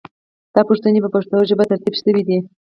دا پوښتنې په پښتو ژبه ترتیب شوې دي.